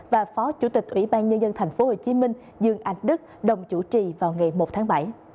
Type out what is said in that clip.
và phó chủ tịch ủy ban nhân dân tp hcm dương anh đức đồng chủ trì vào ngày một tháng bảy